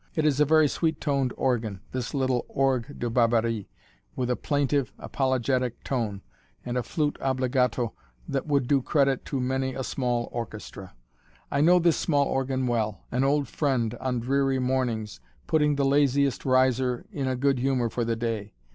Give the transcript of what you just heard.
It is a very sweet toned organ, this little orgue de Barbarie, with a plaintive, apologetic tone, and a flute obbligato that would do credit to many a small orchestra. I know this small organ well an old friend on dreary mornings, putting the laziest riser in a good humor for the day.